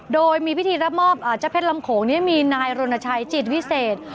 โดยมีพิธีรับมอบเจ้าเพชรลำโขงนี้มีนายรณชัยจิตวิเศษ